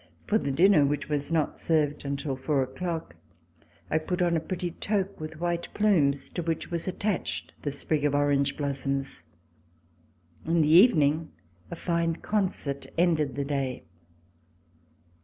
For the dinner, which was not served until four o'clock, I put on a pretty toque, with white plumes, to which was attached the sprig of orange blossoms. In the evening a fine concert ended the day.